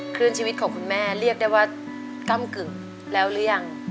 ชีวิตของคุณแม่เรียกได้ว่าก้ำกึ่งแล้วหรือยัง